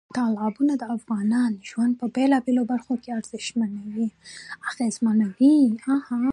تالابونه د افغانانو ژوند په بېلابېلو برخو کې اغېزمنوي.